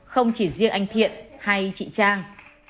không chỉ riêng anh thiện hay chị trang